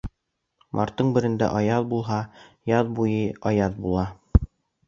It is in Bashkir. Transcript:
Марттың берендә аяҙ булһа, яҙ буйы аяҙ була.